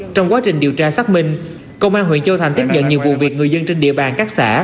trong quá trình điều tra xác minh công an huyện châu thành tiếp nhận nhiều vụ việc người dân trên địa bàn các xã